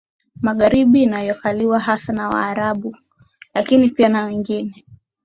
Magharibi inayokaliwa hasa na Waarabu lakini pia na wengine